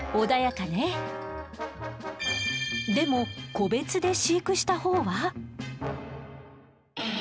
でも個別で飼育したほうは。